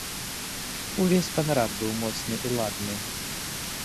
Увесь панарад быў моцны і ладны.